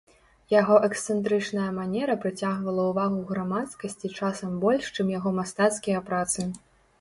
Яго эксцэнтрычная манера прыцягвала ўвагу грамадскасці часам больш, чым яго мастацкія працы.